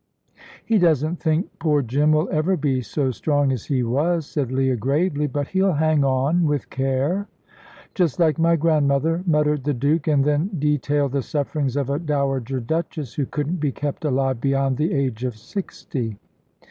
"He doesn't think poor Jim will ever be so strong as he was," said Leah, gravely; "but he'll hang on, with care." "Just like my grandmother," muttered the Duke, and then detailed the sufferings of a dowager duchess, who couldn't be kept alive beyond the age of sixty.